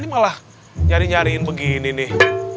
ini malah nyari nyariin begini nih